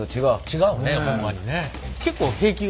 違うねホンマにね。